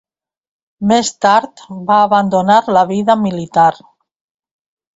Més tard va abandonar la vida militar.